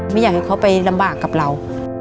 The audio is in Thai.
ไม่อยากให้เขาไปลำบากกับเรา